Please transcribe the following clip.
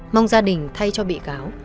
mong gia đình thay cho bị cáo